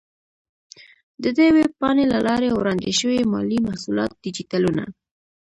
د دې ویب پاڼې له لارې وړاندې شوي مالي محصولات ډیجیټلونه،